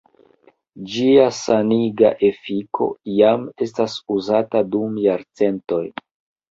Ĝia saniga efiko jam estas uzata dum jarcentoj.